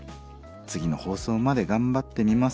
次の放送まで頑張ってみます。